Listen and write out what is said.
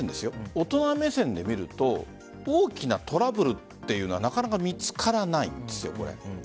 大人目線で見ると大きなトラブルっていうのはなかなか見つからないんですよ。